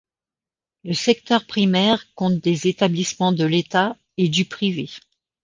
Le secteur primaire compte des établissements de l’état et du privé.